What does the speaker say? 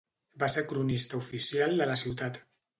Va ser cronista oficial de la ciutat.